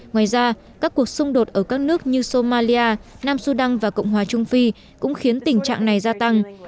ngoài ra các cuộc xung đột ở các nước như somalia nam sudan và cộng hòa trung phi cũng khiến tình trạng này gia tăng